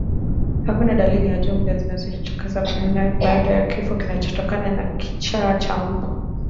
Hakuna dalili za jumla zinazojitokeza bayana baada ya kifo kinachotokana na kichaa cha mbwa